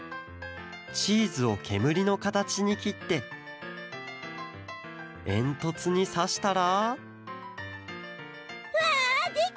チーズをけむりのかたちにきってえんとつにさしたらわあできた！